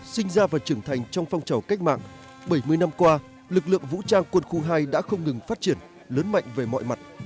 sinh ra và trưởng thành trong phong trào cách mạng bảy mươi năm qua lực lượng vũ trang quân khu hai đã không ngừng phát triển lớn mạnh về mọi mặt